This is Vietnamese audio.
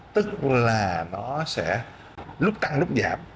tức là nó sẽ lúc tăng lúc giảm